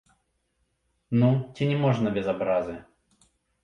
Ну, ці не можна без абразы.